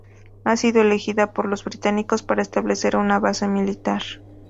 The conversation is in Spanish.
Ha sido elegida por los británicos para establecer una base militar.